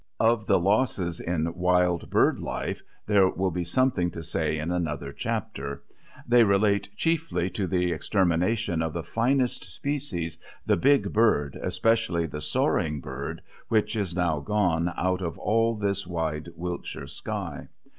Of the losses in wild bird life there will be something to say in another chapter; they relate chiefly to the extermination of the finest species, the big bird, especially the soaring bird, which is now gone out of all this wide Wiltshire sky.